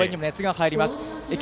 応援にも熱が入ります。